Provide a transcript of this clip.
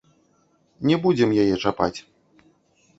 Не будзем яе чапаць.